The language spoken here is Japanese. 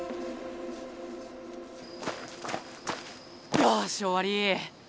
よしおわり！